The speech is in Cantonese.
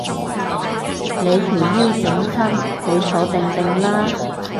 你條腰整親，你坐定定啦